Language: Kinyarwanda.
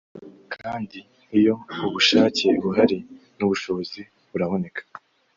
kandi iyo ubushake buhari n’ubushobozi buraboneka